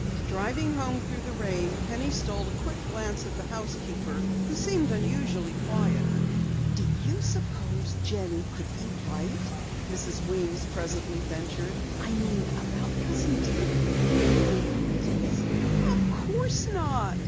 Driving home through the rain, Penny stole a quick glance at the housekeeper who seemed unusually quiet. "Do you suppose Jenny could be right?" Mrs. Weems presently ventured. "I mean about Cousin David and the inheritance?" "Of course not!"